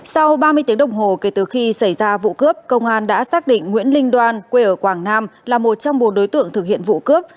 sau ba mươi tiếng đồng hồ kể từ khi xảy ra vụ cướp công an đã xác định nguyễn linh đoan quê ở quảng nam là một trong một đối tượng thực hiện vụ cướp